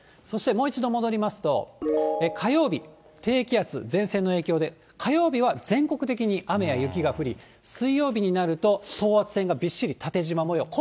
そしてもう一度戻りますと、火曜日、低気圧、前線の影響で、火曜日は全国的に雨や雪が降り、水曜日になると、等圧線がびっしり縦じま模様。